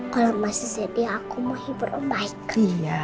kalau masih sedih aku mau hibur mbak ibu